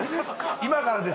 今からですね